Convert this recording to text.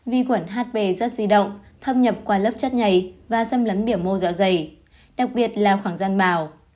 vi khuẩn hp rất di động thâm nhập qua lớp chất nhảy và xâm lấn biểu mô dạo dày đặc biệt là khoảng gian bào